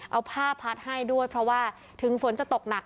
เอาผ้าพัดให้ด้วยเพราะว่าถึงฝนจะตกหนัก